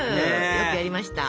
よくやりました。